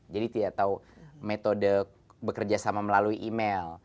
jadi tidak tahu metode bekerja sama melalui email